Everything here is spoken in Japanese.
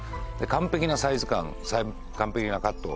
完璧なサイズ感完璧なカット